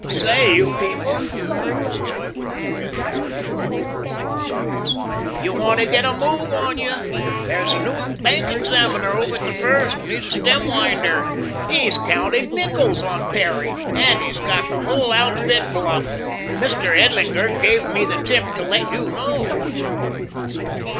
"Say, you people!" cried Roy, with the familiarity of youth and long acquaintance, "you want to get a move on you. There's a new bank examiner over at the First, and he's a stem winder. He's counting nickles on Perry, and he's got the whole outfit bluffed. Mr. Edlinger gave me the tip to let you know."